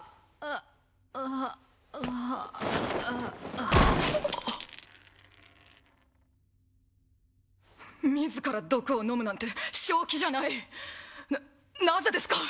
あ自ら毒を飲むなんて正気じゃないななぜですか？